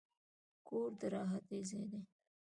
کور د راحتي ځای دی.